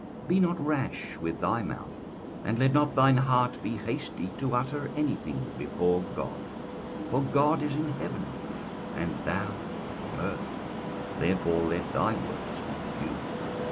21:005:002 Be not rash with thy mouth, and let not thine heart be hasty to utter any thing before God: for God is in heaven, and thou upon earth: therefore let thy words be few.